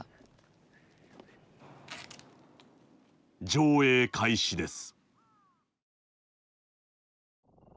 上映開始です